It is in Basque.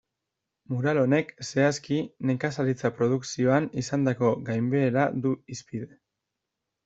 Mural honek, zehazki, nekazaritza produkzioan izandako gainbehera du hizpide.